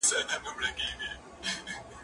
زه به اوږده موده شګه پاکه کړې وم!